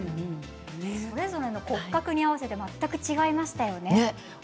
それぞれの骨格に合わせて全く違いましたね。